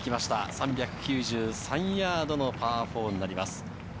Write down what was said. ３９３ヤードのパー４になります。